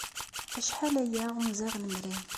Acḥal aya ɣunzaɣ lemri.